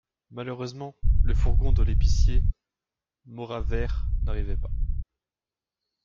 Malheureusement, le fourgon de l'épicier Mauravert n'arrivait pas.